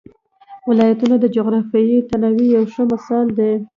ولایتونه د جغرافیوي تنوع یو ښه مثال دی.